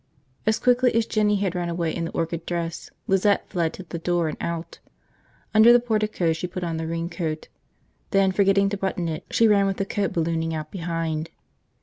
As quickly as Jinny had run away in the orchid dress, Lizette fled to the door and out. Under the portico she put on the raincoat. Then, forgetting to button it, she ran with the coat ballooning out behind.